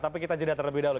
tapi kita jeda terlebih dahulu